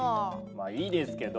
まあいいですけど。